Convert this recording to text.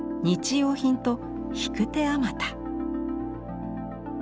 用品と引く手あまた。